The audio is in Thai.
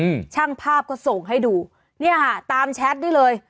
อืมช่างภาพก็ส่งให้ดูเนี่ยค่ะตามแชทนี่เลย